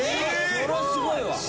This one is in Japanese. それはすごいわ。